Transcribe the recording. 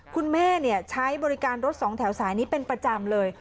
คุณแม่ใช้บริการรถสองแถวสายนี้เป็นประจำเลย